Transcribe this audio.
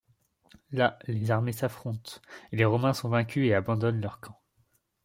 Là les armées s'affrontent, et les Romains sont vaincus et abandonnent leur camp.